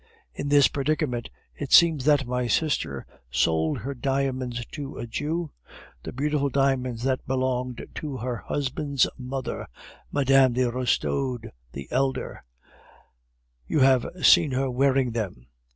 In this predicament, it seems that my sister sold her diamonds to a Jew the beautiful diamonds that belonged to her husband's mother, Mme. de Restaud the elder, you have seen her wearing them.